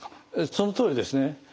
そのとおりですね。